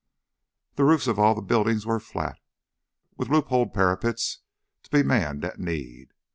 The roofs of all the buildings were flat, with loopholed parapets to be manned at need.